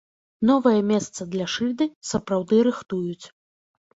Новае месца для шыльды сапраўды рыхтуюць.